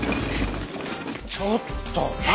ちょっと何？